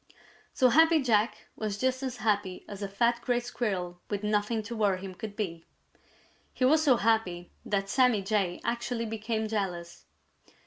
So Happy Jack was just as happy as a fat Gray Squirrel with nothing to worry him could be. He was so happy that Sammy Jay actually became jealous.